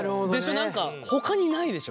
何かほかにないでしょ？